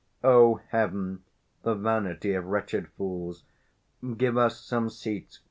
O heaven, the vanity of wretched fools! Give us some seats.